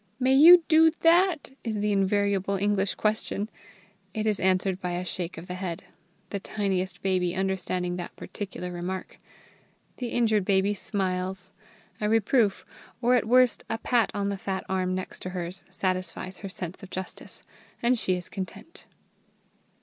"May you do that?" is the invariable English question. It is answered by a shake of the head, the tiniest baby understanding that particular remark. The injured baby smiles. A reproof, or at worst a pat on the fat arm next to hers, satisfies her sense of justice, and she is content.